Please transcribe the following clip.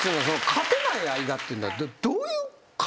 勝てない間っていうのはどういう感じなの？